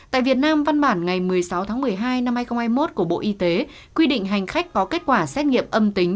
tại việt nam văn bản ngày một mươi sáu tháng một mươi hai năm hai nghìn hai mươi một của bộ y tế quy định hành khách có kết quả xét nghiệm âm tính